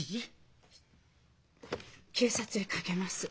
警察へかけます。